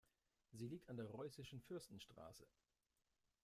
Sie liegt an der Reußischen Fürstenstraße.